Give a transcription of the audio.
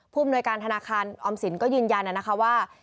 อำนวยการธนาคารออมสินก็ยืนยันนะคะว่า